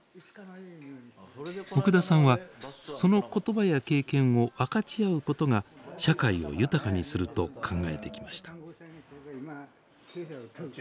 奥田さんはその言葉や経験を分かち合うことが社会を豊かにすると考えてきました。